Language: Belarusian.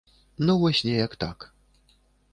Ну вось неяк так.